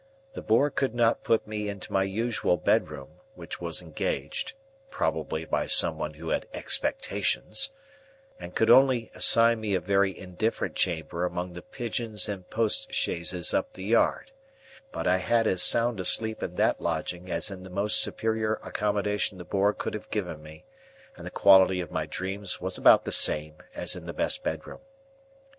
The Boar could not put me into my usual bedroom, which was engaged (probably by some one who had expectations), and could only assign me a very indifferent chamber among the pigeons and post chaises up the yard. But I had as sound a sleep in that lodging as in the most superior accommodation the Boar could have given me, and the quality of my dreams was about the same as in the best bedroom.